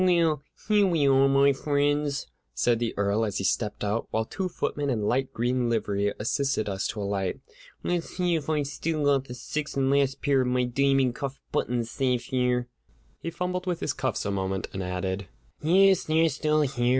"Well, here we are, my friends," said the Earl, as he stepped out; while two footmen in light green livery assisted us to alight. "Let's see if I've still got the sixth and last pair of my diamond cuff buttons safe here." He fumbled with his cuffs a moment, and added: "Yes, they're still here.